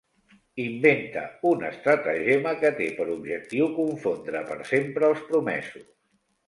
Inventa un estratagema que té per objectiu confondre per sempre els promesos.